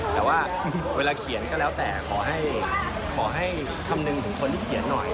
แต่ว่าเวลาเขียนก็แล้วแต่ขอให้คำนึงถึงคนที่เขียนหน่อย